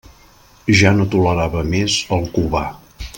Ja no tolerava més el Cubà.